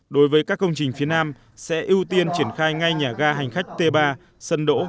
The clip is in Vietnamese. đối với các công trình phía nam sẽ ưu tiên triển khai ngay nhà ga hành khách t ba sân đỗ